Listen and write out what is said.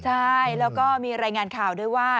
ใช่แล้วก็มีรายงานข่าวด้วยว่า